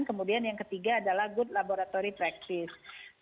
kemudian yang ketiga adalah good laboratory practice